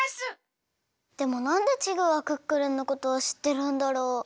でもなんでチグはクックルンのことをしってるんだろう？